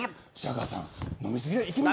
白川さん、飲みすぎ。